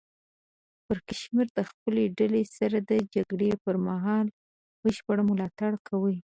پړکمشر د خپلې ډلې سره د جګړې پر مهال بشپړ ملاتړ کوي.